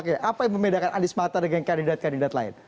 oke apa yang membedakan anies mata dengan kandidat kandidat lain